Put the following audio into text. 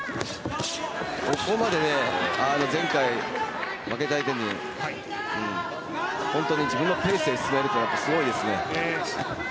ここまで前回、負けた相手に本当に自分のペースで攻めるというのはすごいですね。